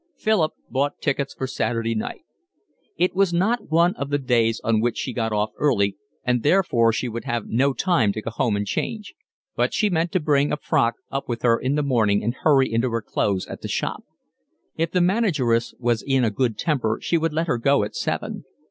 Philip bought tickets for Saturday night. It was not one of the days on which she got off early and therefore she would have no time to go home and change; but she meant to bring a frock up with her in the morning and hurry into her clothes at the shop. If the manageress was in a good temper she would let her go at seven.